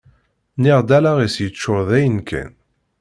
Nniɣ-d allaɣ-is yeččur dayen-kan.